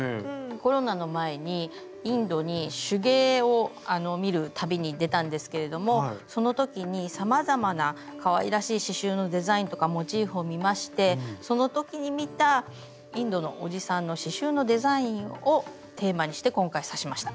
コロナの前にインドに手芸を見る旅に出たんですけれどもその時にさまざまなかわいらしい刺しゅうのデザインとかモチーフを見ましてその時に見たインドのおじさんの刺しゅうのデザインをテーマにして今回刺しました。